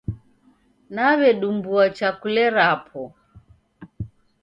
Naw'edumbua chakule rapo.